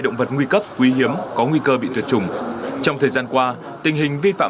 động vật nguy cấp quý hiếm có nguy cơ bị tuyệt chủng trong thời gian qua tình hình vi phạm